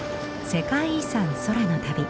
「世界遺産空の旅」。